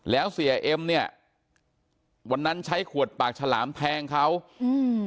แล้วเสียเอ็มเนี้ยวันนั้นใช้ขวดปากฉลามแทงเขาอืม